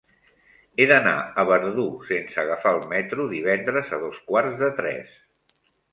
He d'anar a Verdú sense agafar el metro divendres a dos quarts de tres.